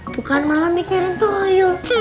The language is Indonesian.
bukan malah mikirin tuyul